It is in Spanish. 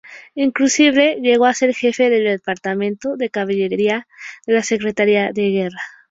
Inclusive llegó a ser Jefe del Departamento de Caballería de la Secretaría de Guerra.